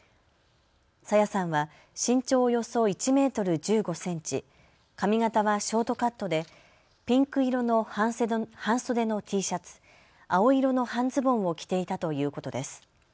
朝芽さんは身長およそ１メートル１５センチ、髪型はショートカットで、ピンク色の半袖のＴシャツ、青色の半ズボンを着ていたということです。